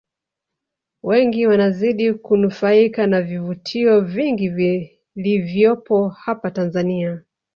Wengi wanazidi kunufaika na vivutio vingi vilivyopo hapa Tanzania